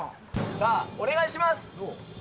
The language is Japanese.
さあ、お願いします。